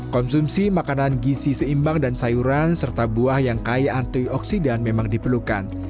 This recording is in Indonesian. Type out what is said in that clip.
konsumsi makanan gizi seimbang dan sayuran serta buah yang kaya antioksidan memang diperlukan